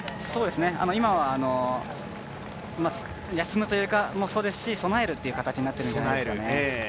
今は休むというのもそうですし備えるという形になっているんじゃないですかね。